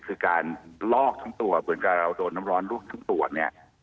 คือการลอกทั้งตัวเหมือนกับเราโดนน้ำร้อนลวกทั้งตัวเนี่ย